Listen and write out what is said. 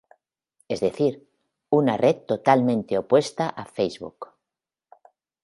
Es decir, una red totalmente opuesta a Facebook.